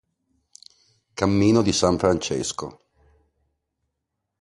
Cammino di San Francesco